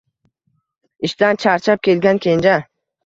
Ishdan charchab kelgan Kenja.